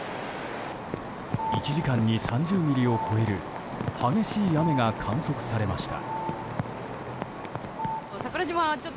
１時間に３０ミリを超える激しい雨が観測されました。